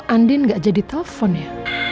kok andien gak jadi telepon ya